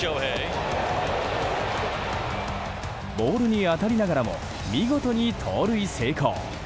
ボールに当たりながらも見事に盗塁成功。